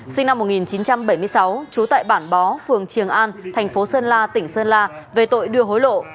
sinh năm một nghìn chín trăm bảy mươi sáu trú tại bản bó phường triềng an thành phố sơn la tỉnh sơn la về tội đưa hối lộ